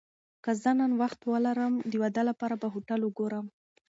که زه نن وخت ولرم، د واده لپاره به هوټل وګورم.